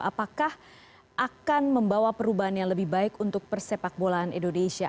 apakah akan membawa perubahan yang lebih baik untuk persepak bolaan indonesia